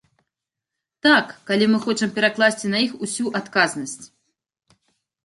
Так, калі мы хочам перакласці на іх усю адказнасць.